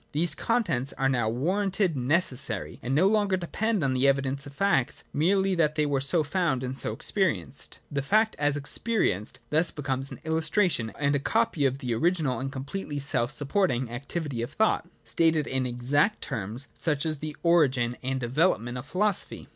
These contents are now warranted necessary, and no longer depend on the evidence of facts merely, that they were so found and so experienced. The fact as experienced thus becomes an illustration and a copy of the original and completely self supporting activity of thought. 13. J Stated in exact terms, such is the origin and development of philosophy.